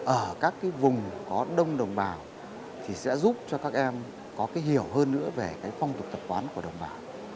ở các cái vùng có đông đồng bào thì sẽ giúp cho các em có cái hiểu hơn nữa về cái phong tục tập quán của đồng bào